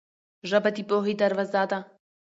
ژبه د پوهې دروازه ده.